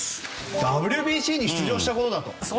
ＷＢＣに出場したことだと。